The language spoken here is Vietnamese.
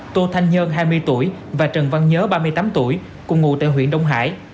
tô thanh nhơn hai mươi tuổi và trần văn nhớ ba mươi tám tuổi cùng ngụ tại huyện đông hải